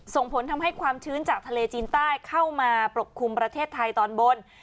ส่งผลทำให้ความชื้นจากทะเลจีนใต้เข้ามาปกคลุมประเทศไทยตอนบน